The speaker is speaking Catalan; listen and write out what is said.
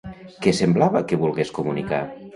Què semblava que volgués comunicar?